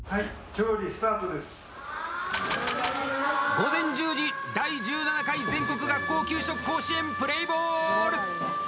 午前１０時「第１７回全国学校給食甲子園」プレーボール！